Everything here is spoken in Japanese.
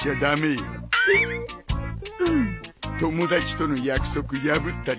友達との約束破ったりとか。